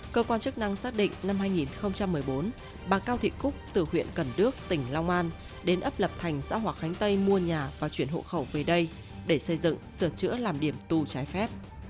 cơ quan chức năng xác định năm hai nghìn một mươi bốn bà cao thị cúc từ huyện cần đước tỉnh long an đến ấp lập thành xã hòa khánh tây mua nhà và chuyển hộ khẩu về đây để xây dựng sửa chữa làm điểm tù trái phép